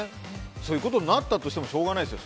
そういうことになったとしてもしょうがないですよ。